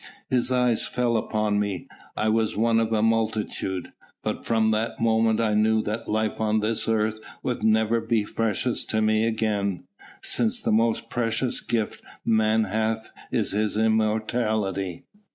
His eyes fell upon me.... I was one of a multitude ... but from that moment I knew that life on this earth would never be precious to me again since the most precious gift man hath is his immortality."